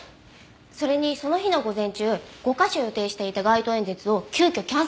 それにその日の午前中５カ所予定していた街頭演説を急きょキャンセルしています。